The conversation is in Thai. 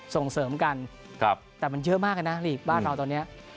ส่งเสริมกันแต่มันเยอะมากนะลีกบ้านเราตอนนี้